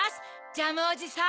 ジャムおじさん。